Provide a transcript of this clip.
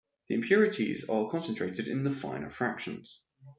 The impurities are concentrated in the finer fractions.